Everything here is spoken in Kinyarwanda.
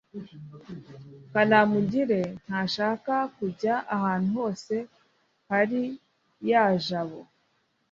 kanamugire ntashaka kujya ahantu hose hafi ya jabo